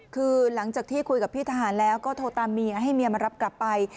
คือหลังจากที่คุยกับพี่ทหารแล้วก็โทรตามเมียให้เมียมารับกลับไป